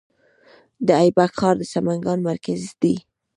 د ایبک ښار د سمنګان مرکز دی